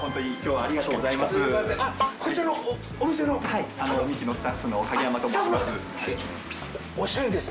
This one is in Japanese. はい三城のスタッフの影山と申します。